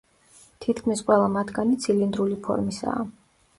თითქმის ყველა მათგანი ცილინდრული ფორმისაა.